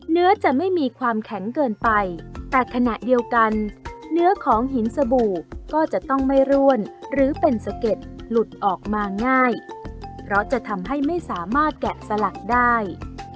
เนื้อจะไม่มีความแข็งเกินไปแต่ขณะเดียวกันเนื้อของหินสบู่ก็จะต้องไม่ร่วนหรือเป็นสะเก็ดหลุดออกมาง่ายเพราะจะทำให้ไม่สามารถแกะสลักได้